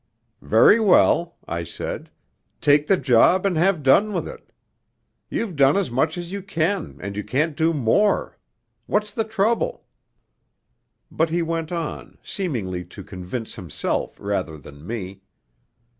'Very well,' I said, 'take the job and have done with it. You've done as much as you can, and you can't do more. What's the trouble?' But he went on, seemingly to convince himself rather than me.